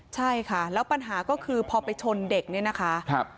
ใช่ค่ะแล้วปัญหาก็คือพอไปชนเด็กเนี่ยนะคะ